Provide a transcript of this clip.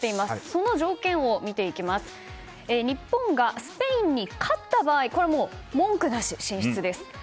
その条件を見ていきますと日本がスペインに勝った場合はこれは文句なしで進出です。